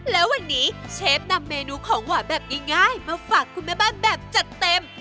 แล้ววันนี้เชฟนำเมนูของหวานแบบง่ายมาฝากคุณแม่บ้านแบบจัดเต็ม